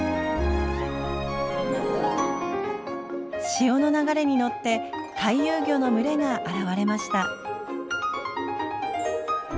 潮の流れに乗って回遊魚の群れが現れました。